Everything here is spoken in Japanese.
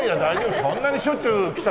そんなにしょっちゅう来たってね。